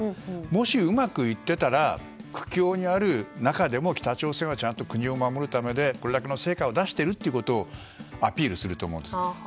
もしうまくいってたら苦境にある中でも北朝鮮はちゃんと国を守るためにこれだけの成果を出しているということをアピールすると思うんです。